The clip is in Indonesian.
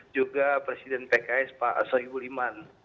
juga presiden pks pak soebu liman